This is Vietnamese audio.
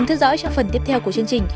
phải sáng suốt tỉnh táo bình tĩnh